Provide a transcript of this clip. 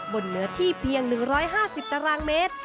เหนือที่เพียง๑๕๐ตารางเมตร